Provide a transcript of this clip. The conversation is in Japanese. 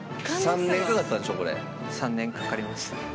３年かかりました。